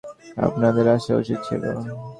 আপনাদের আসা উচিৎ ছিল।